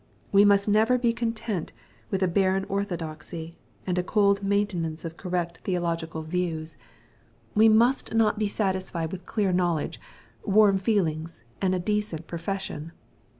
We must never be content "with a barren orthodoxy, and a cold maintenance of correct theological MATTHEW^ CHAP. Xm. 145 views. We must not be satisfied with clear knowledge, warm feelings, and a decent profession.